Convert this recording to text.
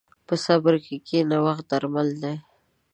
په صبر کښېنه، وخت درمل دی.